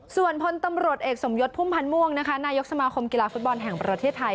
ส่วนพลตำรวจเอกสมยศพุ่มพันธ์ม่วงนะคะนายกสมาคมกีฬาฟุตบอลแห่งประเทศไทย